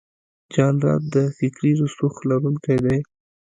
جانداد د فکري رسوخ لرونکی دی.